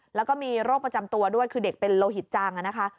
แล้วก็มีโรคประจำตัวด้วยคือเด็กเป็นโลหิตจังนะคะ